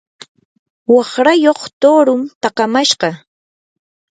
waqrayuq tuurun takamashqa.